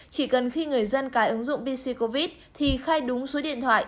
chỉ cần khi người dân cài ứng dụng bsc covid thì khai đúng số điện thoại